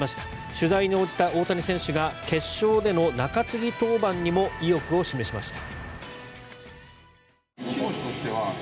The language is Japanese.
取材に応じた大谷選手が決勝での中継ぎ登板にも意欲を示しました。